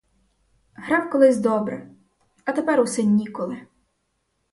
Грав колись добре, а тепер усе ніколи.